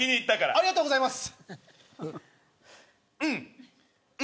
ありがとうございます。